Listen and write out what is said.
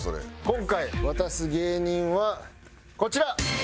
今回渡す芸人はこちら！